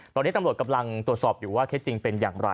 ตอนนี้ตำรวจกำลังตรวจสอบอยู่ว่าเท็จจริงเป็นอย่างไร